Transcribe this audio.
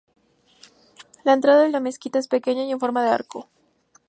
La entrada de la mezquita es pequeña y en forma de arco.